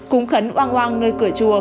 cúng khấn oang oang nơi cửa chùa